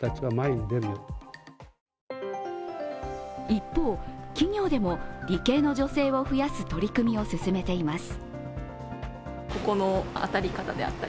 一方、企業でも理系の女性を増やす取り組みを進めています。